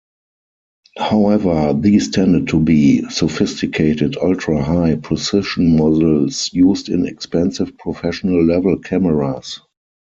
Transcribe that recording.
However, these tended to be sophisticated ultra-high precision models used in expensive professional-level cameras.